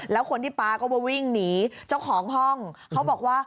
แล้วคนที่ปลาก็มาวิ่งหนีเจ้าของห้องเขาบอกว่า